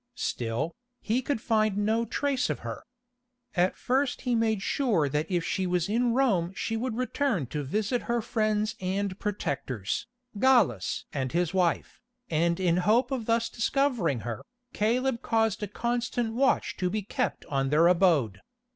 Still, he could find no trace of her. At first he made sure that if she was in Rome she would return to visit her friends and protectors, Gallus and his wife, and in the hope of thus discovering her, Caleb caused a constant watch to be kept on their abode.